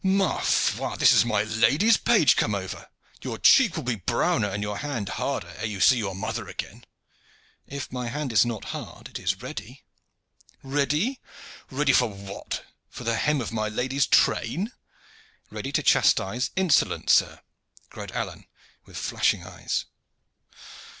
"Ma foi! this is my lady's page come over. Your cheek will be browner and your hand harder ere you see your mother again." "If my hand is not hard, it is ready." "Ready? Ready for what? For the hem of my lady's train?" "Ready to chastise insolence, sir," cried Alleyne with flashing eyes.